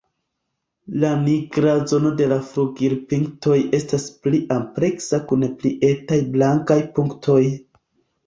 La nigra zono de la flugilpintoj estas pli ampleksa kun pli etaj blankaj punktoj.